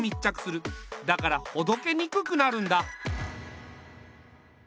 だからほどけにくくなるんだ。